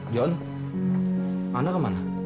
john anak ke mana